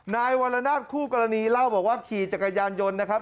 นายวรนาศคู่กรณีเล่าบอกว่าขี่จักรยานยนต์นะครับ